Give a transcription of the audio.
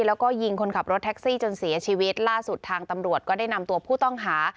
แล้วก็ยิงคนขับรถแท็กซี่จนเสียชีวิตล่าสุดทางตำรวจก็ได้นำตัวผู้ต้องหา